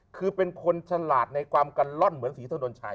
คือเป็นคนฉลาดในความกันล่อนเหมือนศรีถนนชัย